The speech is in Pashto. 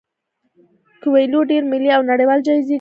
کویلیو ډیر ملي او نړیوال جایزې ګټلي دي.